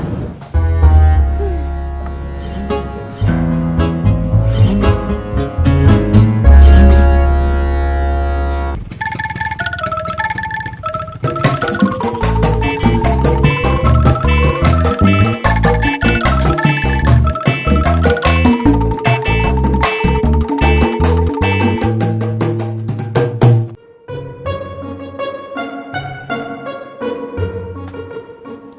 saya mau sampai